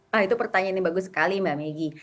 wah itu pertanyaan yang bagus sekali mbak meggy